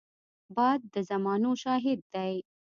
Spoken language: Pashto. باد د زمانو شاهد دی